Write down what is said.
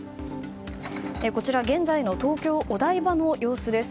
現在の東京・お台場の様子です。